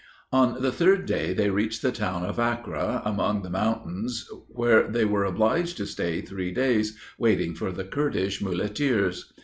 On the third day they reached the town of Akkre, among the mountains, where they were obliged to stay three days, waiting for the Kurdish muleteers.